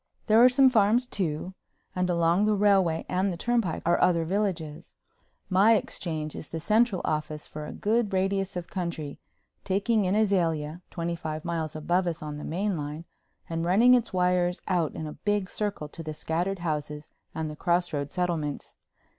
There are some farms too, and along the railway and the turnpike are other villages. My exchange is the central office for a good radius of country, taking in Azalea, twenty five miles above us on the main line, and running its wires out in a big circle to the scattered houses and the crossroad settlements.